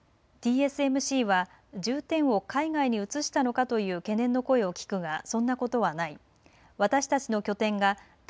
開所式で魏哲家ＣＥＯはＴＳＭＣは重点を海外に移したのかという懸念の声を聞くがそんなことはない。